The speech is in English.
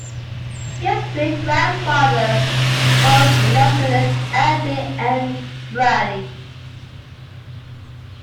His great-grandfather was industrialist Anthony N. Brady.